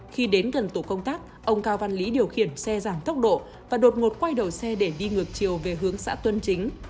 khi đến gần tổ công tác ông cao văn lý điều khiển xe giảm tốc độ và đột ngột quay đầu xe để đi ngược chiều về hướng xã tuân chính